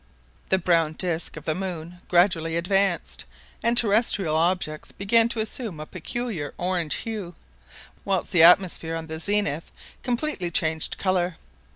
The brown disc of the moon gradually advanced, and terrestrial objects began to assume a peculiar orange hue, whilst the atmosphere on tire zenith completely changed colour.